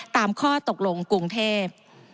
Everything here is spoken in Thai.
ตามข้อตกลงกรุงเทพ